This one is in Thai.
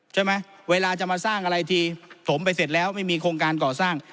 เวลาจะมาสร้างอะไรทีถมไปเสร็จแล้วไม่มีโครงการก่อสร้าง